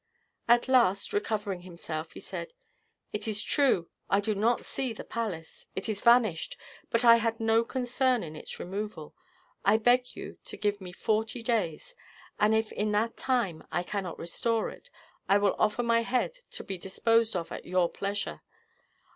At last, recovering himself, he said: "It is true, I do not see the palace. It is vanished; but I had no concern in its removal. I beg you to give me forty days, and if in that time I cannot restore it, I will offer my head to be disposed of at your pleasure."